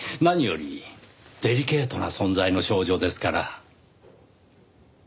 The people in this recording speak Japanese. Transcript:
何よりデリケートな存在の少女ですから。